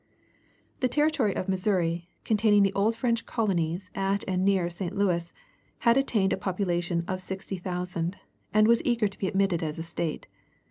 The Territory of Missouri, containing the old French colonies at and near St. Louis, had attained a population of 60,000, and was eager to be admitted as a State.